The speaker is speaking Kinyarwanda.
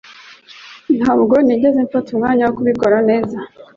Ntabwo nigeze mfata umwanya wo kubikora neza